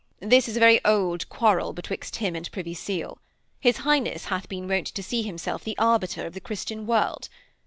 This is a very old quarrel betwixt him and Privy Seal. His Highness hath been wont to see himself the arbiter of the Christian world.